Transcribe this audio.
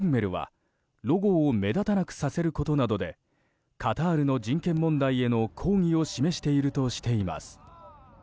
制作したヒュンメルはロゴを目立たなくさせることでカタールの人権問題への抗議を示しているとしています。